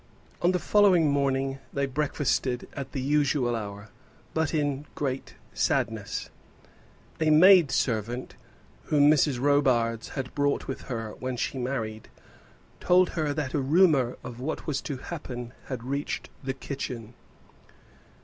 On the following morning they breakfasted at the usual hour, but in great sadness. A maid servant, whom Mrs. Robarts had brought with her when she married, told her that a rumour of what was to happen had reached the kitchen.